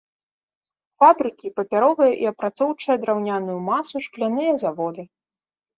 Фабрыкі, папяровая і апрацоўчая драўняную масу, шкляныя заводы.